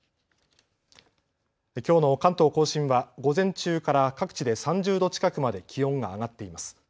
きょうの関東甲信は午前中から各地で３０度近くまで気温が上がっています。